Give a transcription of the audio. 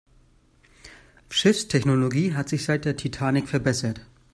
Schiffstechnologie hat sich seit der Titanic verbessert.